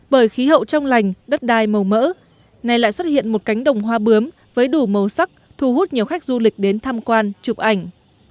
bởi khí hậu trong lành đất đai màu mỡ nay lại xuất hiện một cánh đồng hoa bướm với đủ màu sắc thu hút nhiều khách du lịch đến tham quan chụp ảnh